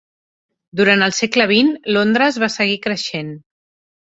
Durant el segle vint, Londres va seguir creixent.